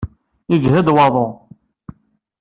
Yejhed waḍu.